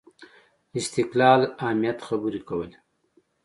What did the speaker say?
استقلال اهمیت خبرې کولې